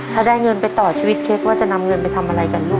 ถ้าได้เงินไปต่อชีวิตเค้กว่าจะนำเงินไปทำอะไรกันลูก